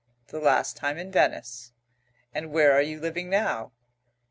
"The last time in Venice." "And where are you living now?"